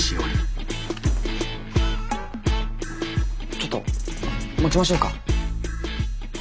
ちょっと持ちましょうか？